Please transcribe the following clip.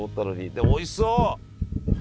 でもおいしそう！